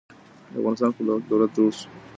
د افغانستان خپلواک دولت جوړ شو.